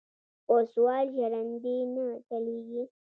پۀ سوال ژرندې نۀ چلېږي.